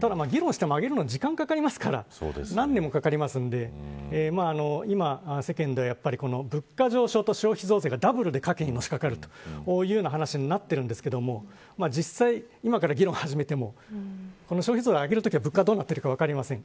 ただ、議論しても時間がかかりますので今、世間では物価上昇と消費増税がダブルで家計にのしかかるという話になっていますが実際、今から議論を始めても消費税を上げるときには物価がどうなっているか分かりません。